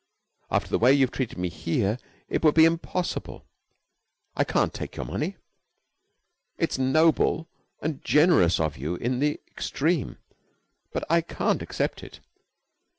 After the way you have treated me here, it would be impossible. I can't take your money. It's noble and generous of you in the extreme, but I can't accept it.